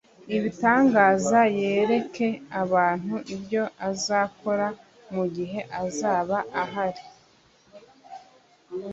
ibitangaza yereke abantu ibyo azakora mu gihe azaba ahari